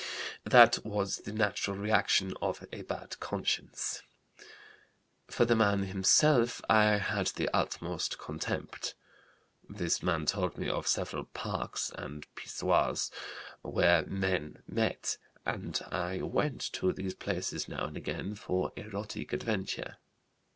That was the natural reaction of a bad conscience. For the man himself I had the utmost contempt. This man told me of several parks and pissoirs where men met, and I went to these places now and again for erotic adventure.